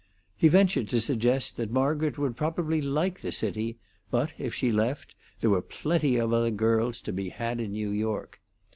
He ventured to suggest that Margaret would probably like the city; but, if she left, there were plenty of other girls to be had in New York.